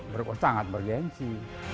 berurusan sangat bergensi